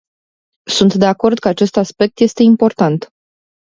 Sunt de acord că acest aspect este important.